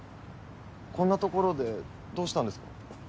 こんな所でどうしたんですか？